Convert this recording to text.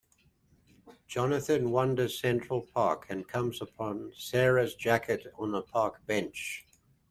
Jonathan wanders Central Park, and comes upon Sara's jacket on a park bench.